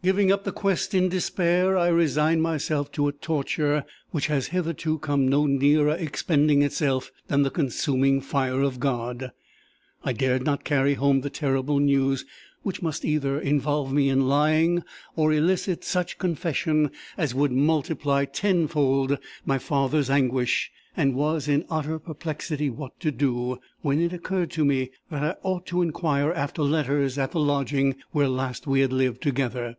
"Giving up the quest in despair, I resigned myself to a torture which has hitherto come no nearer expending itself than the consuming fire of God. "I dared not carry home the terrible news, which must either involve me in lying, or elicit such confession as would multiply tenfold my father's anguish, and was in utter perplexity what to do, when it occurred to me that I ought to inquire after letters at the lodging where last we had lived together.